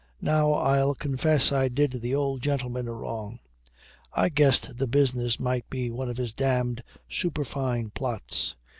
Now I'll confess I did the old gentleman a wrong. I guessed the business might be one of his damned superfine plots.